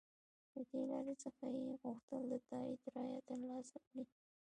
له دې لارې څخه یې غوښتل د تایید رایه تر لاسه کړي.